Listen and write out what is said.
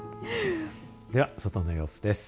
では外の様子です。